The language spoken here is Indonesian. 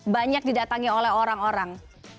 banyak didatangi oleh orang orang